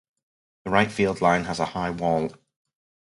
The right field line has a high wall.